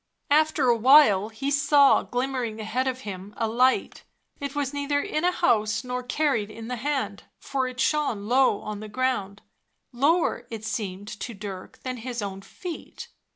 After a while he saw, glimmering ahead of him, a light. It was neither in a house nor carried in the hand, for it shone low on the ground, lower, it seemed to Dirk, than his own feet.